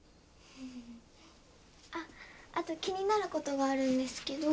あっあと気になることがあるんですけど。